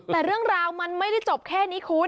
แต่เรื่องราวมันไม่ได้จบแค่นี้คุณ